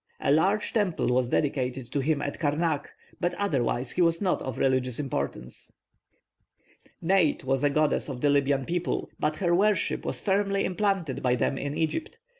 A large temple was dedicated to him at Karnak, but otherwise he was not of religious importance. +Neit+ was a goddess of the Libyan people; but her worship was firmly implanted by them in Egypt.